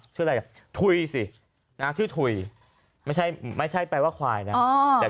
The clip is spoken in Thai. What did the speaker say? ชื่ออะไรอ่ะถุยสินะชื่อถุยไม่ใช่ไม่ใช่แปลว่าควายนะแต่